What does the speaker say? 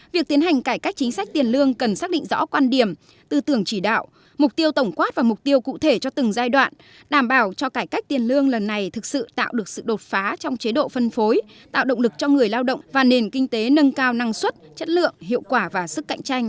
việc tiến hành cải cách chính sách tiền lương cần xác định rõ quan điểm tư tưởng chỉ đạo mục tiêu tổng quát và mục tiêu cụ thể cho từng giai đoạn đảm bảo cho cải cách tiền lương lần này thực sự tạo được sự đột phá trong chế độ phân phối tạo động lực cho người lao động và nền kinh tế nâng cao năng suất chất lượng hiệu quả và sức cạnh tranh